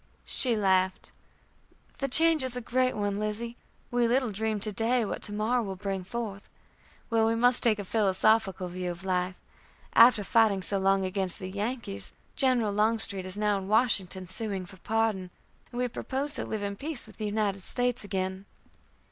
She laughed: "The change is a great one, Lizzie; we little dream to day what to morrow will bring forth. Well, we must take a philosophical view of life. After fighting so long against the Yankees, General Longstreet is now in Washington, sueing for pardon, and we propose to live in peace with the United States again."